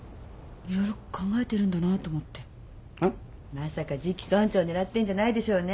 まさか次期村長狙ってんじゃないでしょうね。